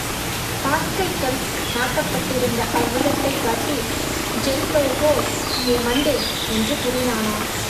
பார்த்கை கல் நாட்டப்பட்டிருந்த அவ்விடத்தைக் காட்டி, ஜெல்லோகோ எ மண்டு என்று கூறினானாம்.